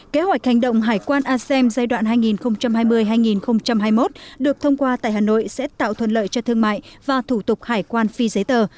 kế hoạch hành động hải quan asem giai đoạn hai nghìn hai mươi hai nghìn hai mươi một được thông qua tại hà nội sẽ tạo thuận lợi cho thương mại và thủ tục hải quan phi giấy tờ